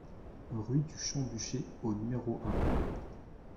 Rue du Champ Buchet au numéro un